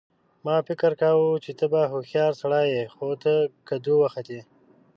ما فکر کاوه چې ته به هوښیار سړی یې خو ته کدو وختې